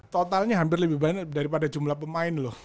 totalnya hampir lebih banyak daripada jumlah pemain loh